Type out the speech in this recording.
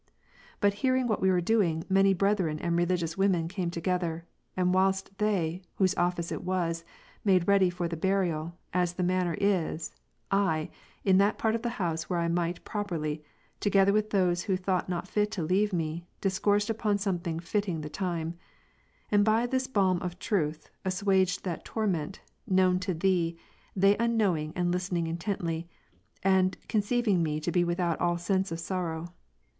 But hearing what we were doing, many' brethren and i^eligious women came together ; and whilst \ they (whose office it was) made ready for the burial, as they manner is, I (in a part of the house, where I might properly), together with those who thought not fit to leave me, dis coursed upon something fitting the time ; and by this balm of truth, assuaged that torment, known to Thee, they un knowing and listening intently, and conceiving me to be without all sense of sorrow.